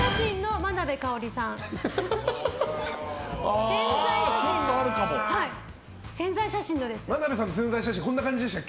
眞鍋さんの宣材写真ってこんな感じでしたっけ。